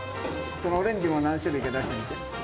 そのオレンジも何種類か出してみて。